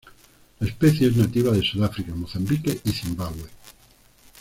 La especie es nativa de Sudáfrica, Mozambique y Zimbabue.